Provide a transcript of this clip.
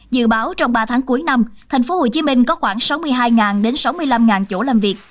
dự báo trong ba tháng cuối năm thành phố hồ chí minh có khoảng sáu mươi hai đến sáu mươi năm chỗ làm việc